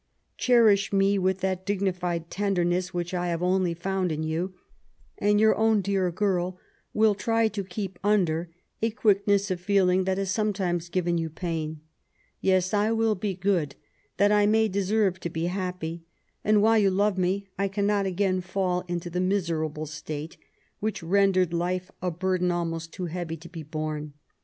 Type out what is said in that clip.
Oherish me with that dignified tenderness which I have only found in you, and your own dear girl will try to keep under a quickness of feeling that has sometimes given you pain. Tes, I will be good, that I may deserve to be happy ; and whilst you love me, I cannot again fall into the miserable state which rendered life a burden almost too heavy to be borne.